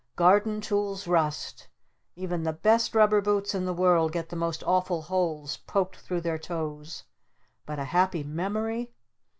Garden tools rust! Even the best rubber boots in the world get the most awful holes poked through their toes! But a Happy Memory?